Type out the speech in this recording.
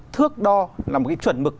thước đo là một cái chuẩn mực